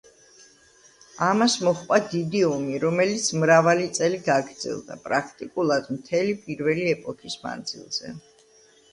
ამას მოჰყვა დიდი ომი, რომელიც მრავალი წელი გაგრძელდა, პრაქტიკულად, მთელი პირველი ეპოქის მანძილზე.